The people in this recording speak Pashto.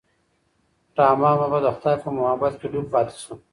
رحمان بابا د خدای په محبت کې ډوب پاتې شو.